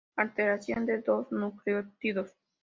Alteración de dos nucleótidos.